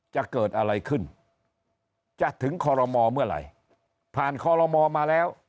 จะเกิดอะไรขึ้นจะถึงคอรมอเมื่อไหร่ผ่านคอลโลมอมาแล้ว